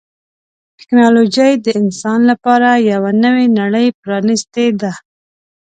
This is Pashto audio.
ټکنالوجي د انسان لپاره یوه نوې نړۍ پرانستې ده.